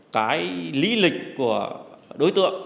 cái lý lịch của đối tượng